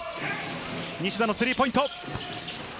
西田のスリーポイント。